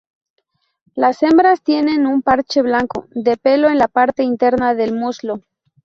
Las hembras tienen un parche blanco de pelo en la parte interna del muslo.